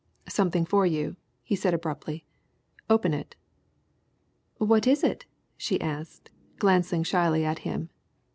"Something for you," he said abruptly. "Open it." "What is it?" she asked, glancing shyly at him.